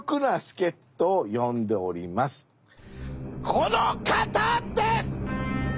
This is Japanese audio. この方です！